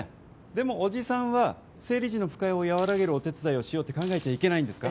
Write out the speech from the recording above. でも、おじさんは生理時の不快を和らげるお手伝いをしようって考えちゃいけないんですか？